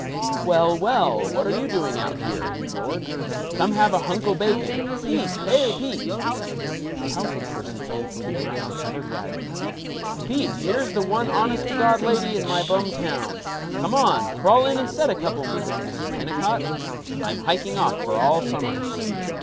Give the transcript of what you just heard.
"Well, well, what you doing out here?" he roared. "Come have a hunk o' bacon. Pete! Hey, Pete!" A tousled person came from behind the covered wagon. "Pete, here's the one honest to God lady in my bum town. Come on, crawl in and set a couple minutes, Mrs. Kennicott. I'm hiking off for all summer."